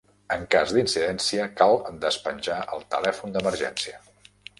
En cas d'incidència, cal despenjar el telèfon d'emergència.